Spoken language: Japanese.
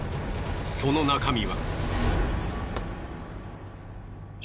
その中身は。